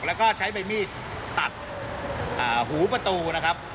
แล้วก็ใช้ใบมีดตัดหูประตูนะครับ